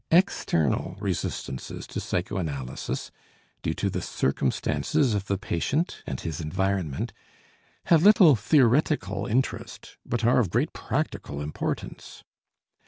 External resistances to psychoanalysis, due to the circumstances of the patient and his environment, have little theoretical interest, but are of great practical importance.